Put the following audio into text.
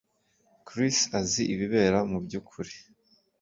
Chris azi ibibera mubyukuri